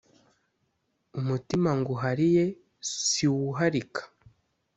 umutima nguhariye siwuharika